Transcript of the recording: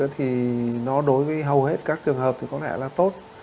thì nó đối với hầu hết các trường hợp thì có thể là tốt